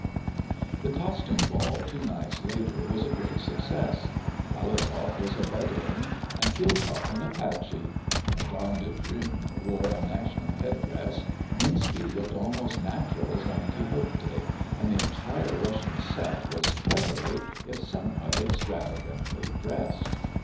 The costume ball two nights later was a great success. Palazov was a Bedouin, and Khilkoff an Apache; Mme. de Drühn wore a national head dress; Minski looked almost natural as Don Quixote; and the entire Russian "set" was cleverly, if somewhat extravagantly, dressed.